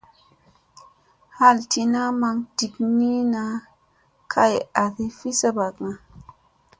Hal tina maŋ diniina kay a asi fi sabakŋga.